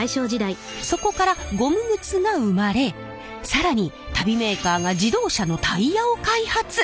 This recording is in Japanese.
そこからゴム靴が生まれ更に足袋メーカーが自動車のタイヤを開発。